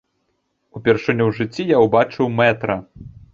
Упершыню ў жыцці я ўбачыў мэтра.